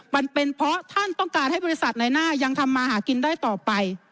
มันเป็นเพราะท่านต้องการให้บริษัทในหน้ายังทำมาหากินได้ต่อไป